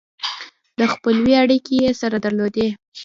د خپلوۍ اړیکې یې سره درلودې.